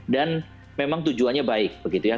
dan memang tujuannya baik begitu ya